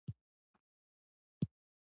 زه به نه یم ته به ژهړي